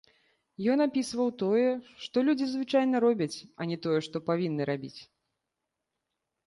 Ён апісваў тое, што людзі звычайна робяць, а не тое, што павінны рабіць.